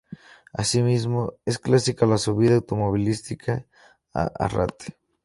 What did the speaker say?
Así mismo es clásica la subida automovilística a Arrate.